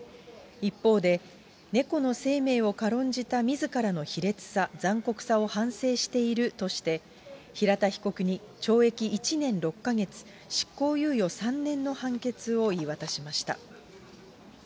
一方で、猫の生命を軽んじたみずからの卑劣さ、残酷さを反省しているとして、平田被告に懲役１年６か月、執行猶予３年の判決を言い渡しました。